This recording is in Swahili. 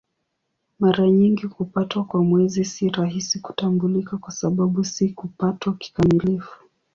Mara nyingi kupatwa kwa Mwezi si rahisi kutambulika kwa sababu si kupatwa kikamilifu.